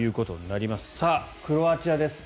さあ、クロアチアです。